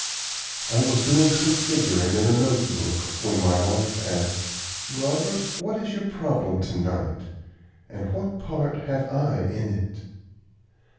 I was doing some figuring in a note book when my wife asked: "Robert, what is your problem to night? And what part have I in it?"